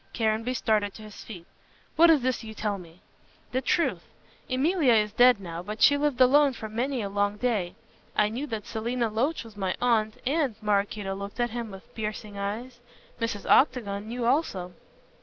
Caranby started to his feet. "What is this you tell me?" "The truth. Emilia is dead now, but she lived alone for many a long day. I knew that Selina Loach was my aunt, and," Maraquito looked at him with piercing eyes, "Mrs. Octagon knew also."